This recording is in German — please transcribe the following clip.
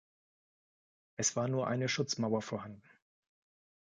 Es war nur eine Schutzmauer vorhanden.